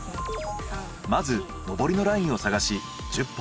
まず上りのラインを探し１０歩